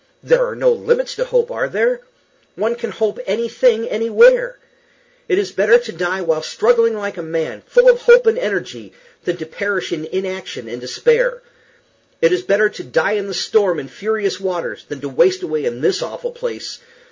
There are no limits to hope, are there? One can hope anything anywhere. It is better to die while struggling like a man, full of hope and energy than to perish in inaction and despair. It is better to die in the storm and furious waters than to waste away in this awful place.